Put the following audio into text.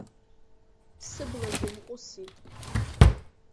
Сыблагьы мҟәысит.